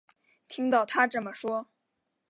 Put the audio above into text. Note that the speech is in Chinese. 听到她这么说